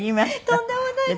とんでもないです。